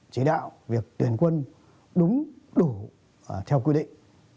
chỉ đạo việc tuyển quân đúng đủ theo quy định